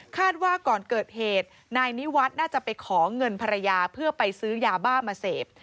คาดว่าก่อนเกิดเหตุหน้านิวัตรน่าจะไปของเงินภรรยาเพื่อไปซื้อยาบ้าเซฟ